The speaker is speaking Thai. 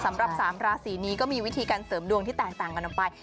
สำหรับ๓ราศีนี้ก็มีวิธีการเสริมดวงที่แตกต่างกันออกไป